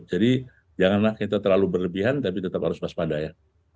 jadi janganlah kita terlalu berlebihan tapi tetap harus waspada ya